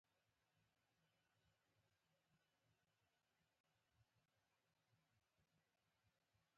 باسواده ښځې د یتیمانو پالنه کوي.